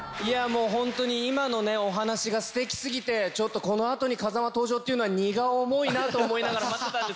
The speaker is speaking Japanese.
もうホントに今のお話がステキ過ぎてちょっとこの後に風間登場っていうのは荷が重いなと思いながら待ってたんですけど。